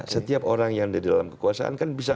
setiap orang yang ada di dalam kekuasaan kan bisa